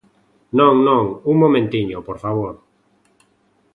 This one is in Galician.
Non, non, un momentiño, por favor.